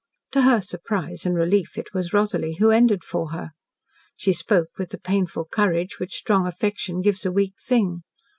To her surprise and relief it was Rosalie who ended for her. She spoke with the painful courage which strong affection gives a weak thing.